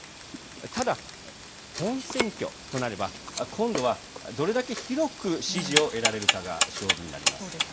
ただ本選挙となれば今度は、どれだけ広く支持を得られるかが勝負になります。